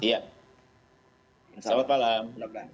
hai selamat malam